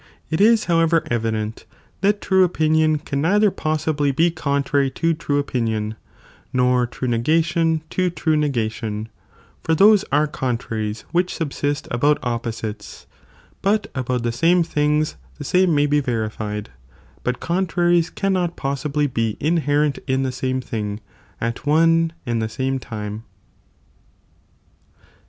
It b however evident, that true opinion can neither possibly be contrwy to true opinion, nor true negation (to true negation), for those are contraries which subsist about op ,^,^ posilcs i bat about the same things the same may cadhiii ro be verified, but contraries cannot possibly be in '""'"'^ bercDt in the same thing, at one and the same time.'